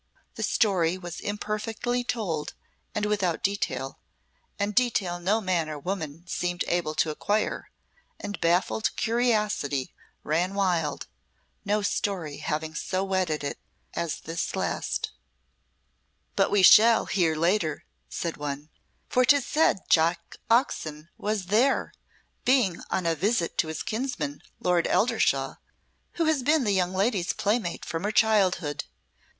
The story was imperfectly told and without detail, and detail no man or woman seemed able to acquire, and baffled curiosity ran wild, no story having so whetted it as this last. "But we shall hear later," said one, "for 'tis said Jack Oxon was there, being on a visit to his kinsman, Lord Eldershawe, who has been the young lady's playmate from her childhood.